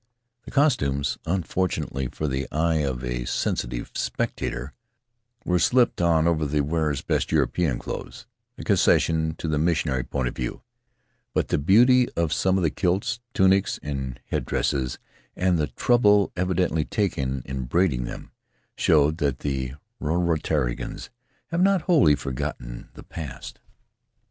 The costumes — unfortunately for the eye of a sensi tive spectator — were slipped on over the wearer's best European clothes ; a concession to the missionary point of view; but the beauty of some of the kilts, tunics and headdresses, and the trouble evidently taken in braiding them, showed that the Rarotongans have not wholly forgotten the past.